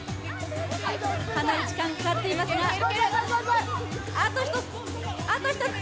かなり時間かかっていますがあと１つ！